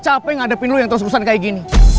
gue capek ngadepin lo yang terus terusan kayak gini